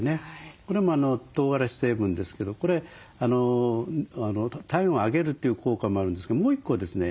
これもトウガラシ成分ですけどこれ体温を上げるという効果もあるんですけどもう１個ですね